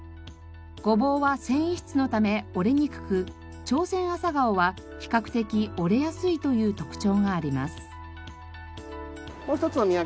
ゴボウは繊維質のため折れにくくチョウセンアサガオは比較的折れやすいという特徴があります。